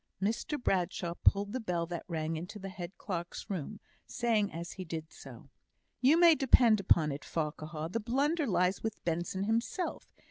Mr Bradshaw pulled the bell that rang into the head clerk's room, saying as he did so, "You may depend upon it, Farquhar, the blunder lies with Benson himself.